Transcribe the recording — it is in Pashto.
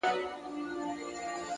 صبر د سختو پړاوونو پُل دی’